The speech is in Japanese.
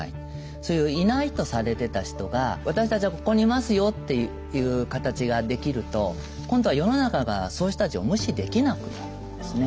そういういないとされてた人が私たちはここにいますよっていう形ができると今度は世の中がそういう人たちを無視できなくなるんですね。